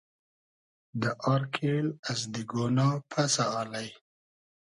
دۂ آر کېل از دیگۉنا پئسۂ الݷ